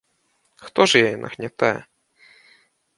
Хто ж яе нагнятае?